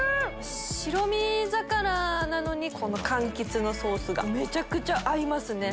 白身魚なのにかんきつのソースがめちゃくちゃ合いますね。